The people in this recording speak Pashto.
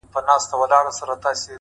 نیک عمل تل اغېز پرېږدي،